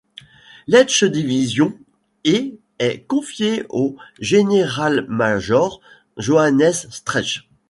Leichte Division et est confiée au Generalmajor Johannes Streich.